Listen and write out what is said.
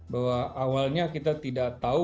bahwa awalnya kita tidak tahu